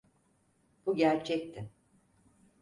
Bu gerçekti.